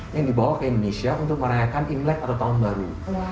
yang dibawa ke indonesia untuk merayakan imlek atau tahun baru